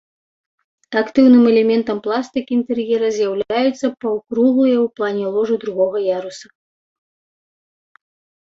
Актыўным элементам пластыкі інтэр'ера з'яўляюцца паўкруглыя ў плане ложы другога яруса.